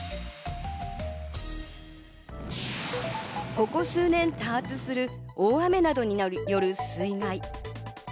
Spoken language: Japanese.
ここ数年、多発する大雨などによる水害。